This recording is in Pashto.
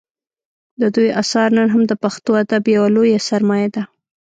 د دوی اثار نن هم د پښتو ادب یوه لویه سرمایه ده